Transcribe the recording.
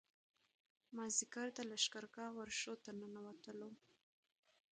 مازیګر د لښکرګاه ورشو ته ننوتلو.